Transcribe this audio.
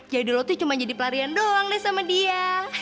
jadi lo tuh cuma jadi pelarian doang deh sama dia